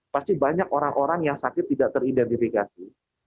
pasti banyak orang orang yang sakit tidak teridentifikasi